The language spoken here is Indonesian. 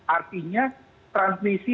artinya transmisi itu satu empat belas